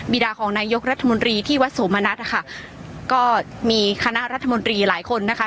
ดาของนายกรัฐมนตรีที่วัดโสมณัฐค่ะก็มีคณะรัฐมนตรีหลายคนนะคะ